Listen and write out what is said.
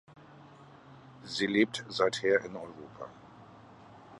Sie lebt seither in Europa.